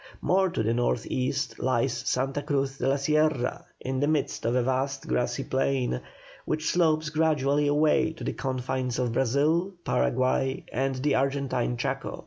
More to the north east lies Santa Cruz da la Sierra in the midst of a vast grassy plain, which slopes gradually away to the confines of Brazil, Paraguay, and the Argentine Chaco.